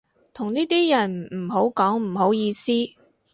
同呢啲人唔好講唔好意思